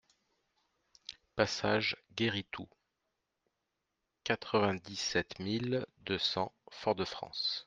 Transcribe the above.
Passage Guéri Tout, quatre-vingt-dix-sept mille deux cents Fort-de-France